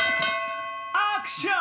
・アクション！